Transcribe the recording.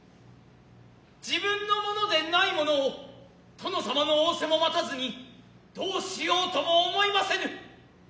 自分のものでないものを殿様の仰せも待たずに何うしようとも思ひませぬ。